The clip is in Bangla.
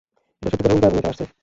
এটা সত্যিকারের উল্কা এবং এটা আসছে!